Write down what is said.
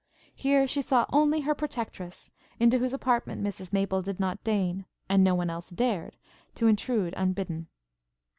Here she saw only her protectress, into whose apartment Mrs Maple did not deign, and no one else dared, to intrude unbidden.